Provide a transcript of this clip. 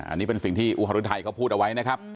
อันนี้เป็นสิ่งที่อุฮรุไทยเขาพูดเอาไว้นะครับ